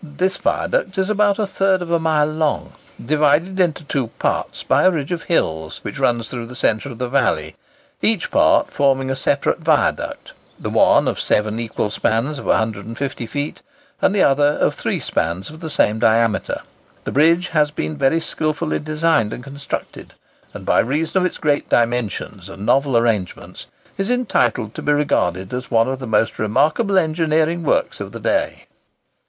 This viaduct is about a third of a mile long, divided into two parts by a ridge of hills which runs through the centre of the valley—each part forming a separate viaduct, the one of seven equal spans of 150 feet, the other of three spans of the same diameter. The bridge has been very skilfully designed and constructed, and, by reason of its great dimensions and novel arrangements, is entitled to be regarded as one of the most remarkable engineering works of the day.